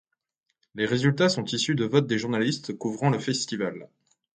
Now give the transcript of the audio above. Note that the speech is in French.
Les résultats sont issus du vote des journalistes couvrant le festival.